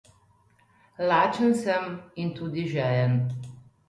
Lačen sem in tudi žejen.